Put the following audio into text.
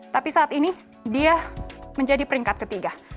tapi saat ini dia menjadi peringkat ketiga